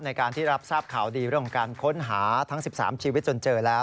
ในการที่รับทราบข่าวดีเรื่องของการค้นหาทั้ง๑๓ชีวิตจนเจอแล้ว